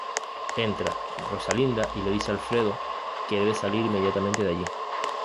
Entra Rosalinda y le dice Alfredo que debe salir inmediatamente de allí.